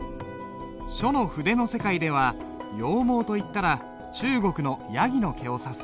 書の筆の世界では羊毛といったら中国のヤギの毛を指す。